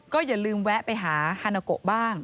อย่าลืมแวะไปหาฮานาโกะบ้าง